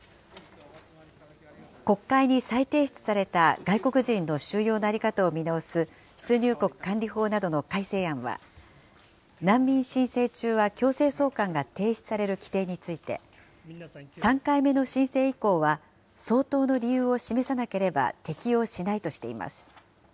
国会に再提出された外国人の収容の在り方を見直す出入国管理法などの改正案は、難民申請中は強制送還が停止される規定について、３回目の申請以降は、相当の理由を示さなければ適用しないとしています。